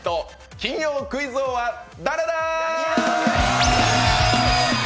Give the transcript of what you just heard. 金曜クイズ王は誰だ！？」